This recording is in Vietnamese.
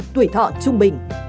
tuổi thọ trung bình